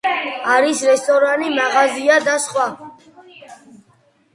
არის რესტორანი, მაღაზია და სხვა.